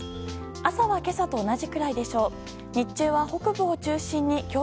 朝は今朝と同じくらいでしょう。